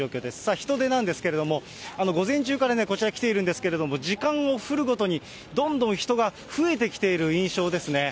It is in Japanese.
人出なんですけれども、午前中からこちら、来ているんですけれども、時間を経るごとに、どんどん人が増えてきている印象ですね。